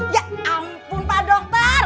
ya ampun pak dokter